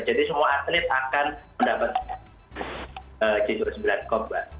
jadi semua atlet akan mendapatkan g dua puluh sembilan koba